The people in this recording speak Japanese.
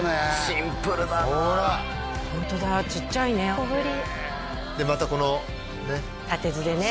シンプルだなホントだちっちゃいね小ぶりでまたこのね蓼酢でね